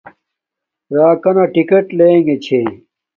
راکا نا ٹکٹ لنگے چھے